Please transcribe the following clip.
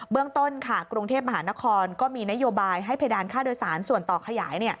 เรื่องต้นกรุงเทพมหานครก็มีนโยบายให้เพดานค่าโดยสารส่วนต่อขยาย